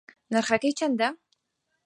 نرخەکەی چەندە؟